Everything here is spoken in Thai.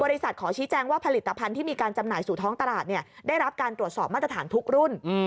ขอชี้แจงว่าผลิตภัณฑ์ที่มีการจำหน่ายสู่ท้องตลาดได้รับการตรวจสอบมาตรฐานทุกรุ่น